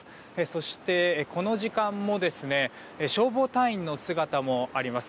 そして、この時間も消防隊員の姿もあります。